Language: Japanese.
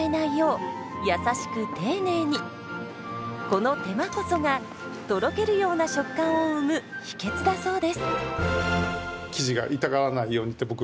この手間こそがとろけるような食感を生む秘訣だそうです。